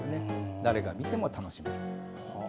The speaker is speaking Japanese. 誰が見ても楽しめる。